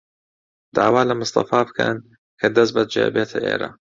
داوا لە مستەفا بکەن کە دەستبەجێ بێتە ئێرە.